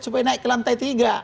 supaya naik ke lantai tiga